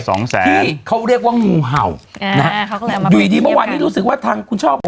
สองแสนที่เขาเรียกว่างูเห่านะฮะอยู่ดีเมื่อวานนี้รู้สึกว่าทางคุณชอบ